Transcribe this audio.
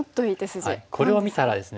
これを見たらですね。